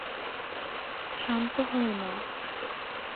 শান্ত হয়ে নাও।